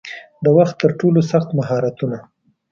د وخت ترټولو سخت مهارتونه